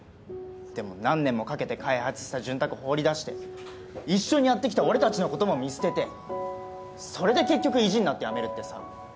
でも何年もかけて開発した「潤沢」放り出して一緒にやってきた俺たちの事も見捨ててそれで結局意地になって辞めるってさ。